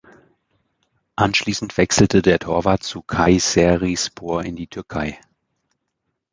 Anschließend wechselte der Torwart zu Kayserispor in die Türkei.